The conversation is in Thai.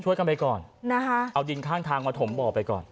ช่วยกันไปก่อนเอาดินข้างทางมาถมบ่อไปก่อน